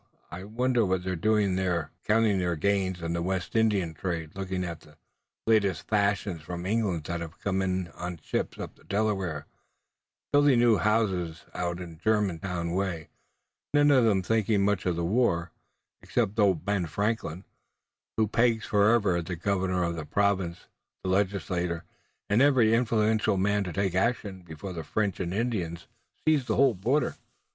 I wonder what they're doing there!" "Counting their gains in the West India trade, looking at the latest fashions from England that have come on the ships up the Delaware, building new houses out Germantown way, none of them thinking much of the war, except old Ben Franklin, who pegs forever at the governor of the Province, the Legislature, and every influential man to take action before the French and Indians seize the whole border."